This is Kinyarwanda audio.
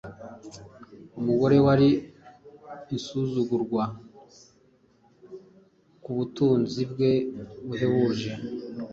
umugore wari insuzugurwa ku butunzi bwe buhebuje;